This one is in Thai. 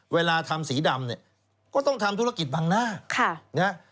เวลาทำสีดำเนี้ยก็ต้องทำธุรกิจบางหน้าค่ะเนี้ย